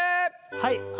はい。